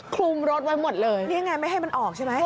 คลุมรถไว้หมดเลยนี่ยังไงไม่ให้มันออกใช่ไหม